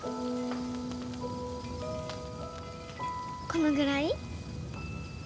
このぐらい？